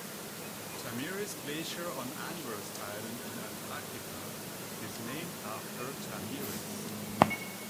Thamyris Glacier on Anvers Island in Antarctica is named after Thamyris.